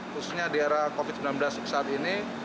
khususnya di era covid sembilan belas saat ini